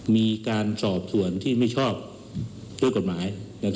มีการสอบส่วนที่ไม่ชอบด้วยกฎหมาย